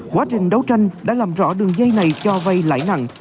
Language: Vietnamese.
quá trình đấu tranh đã làm rõ đường dây này cho vay lãi nặng